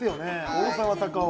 「大沢たかお